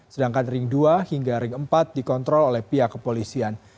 sedangkan ring dua hingga ring empat dikontrol oleh pihak kepolisian